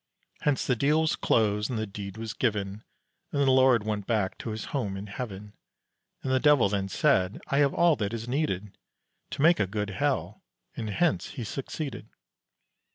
Hence the deal was closed and the deed was given And the Lord went back to his home in heaven. And the devil then said, "I have all that is needed To make a good hell," and hence he succeeded.